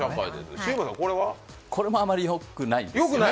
これもあまりよくないですね。